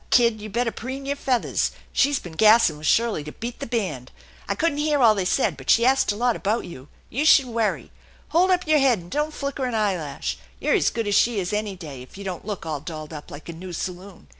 Kid, you better preen your feathers. She's been gassing with Shirley to beat the band 68 THE ENCHANTED BARN I couldn't hear all they said, but she asked a lot about you. You should worry ! Hold up your head, and don't flicker an eyelash. You're as good as she is any day, if you don't look all dolled up like a new saloon.